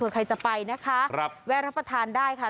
ใครจะไปนะคะแวะรับประทานได้ค่ะ